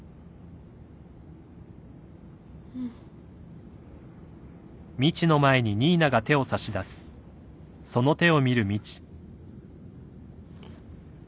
うん。えっ。